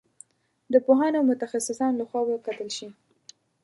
د پوهانو او متخصصانو له خوا وکتل شي.